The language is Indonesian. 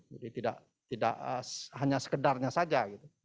jadi tidak hanya sekedarnya saja